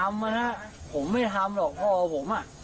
ผมก็บอกผมว่าพ่อออกมาจริงไม่ทำอ่ะนะผมไม่ทำหรอกพ่อผมอ่ะ